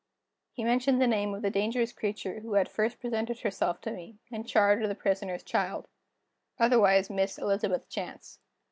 He mentioned the name of the dangerous creature who had first presented herself to me, in charge of the Prisoner's child otherwise Miss Elizabeth Chance.